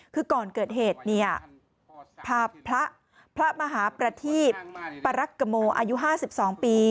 คือก่อนเกิดเหตุเนี่ยพาพระมหาประทีปรักกโมอายุ๕๒ปี